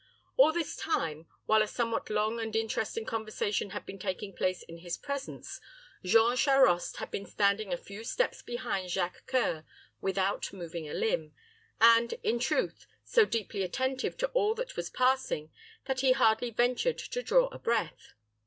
All this time, while a somewhat long and interesting conversation had been taking place in his presence, Jean Charost had been standing a few steps behind Jacques C[oe]ur, without moving a limb; and, in truth, so deeply attentive to all that was passing, that he hardly ventured to draw a breath.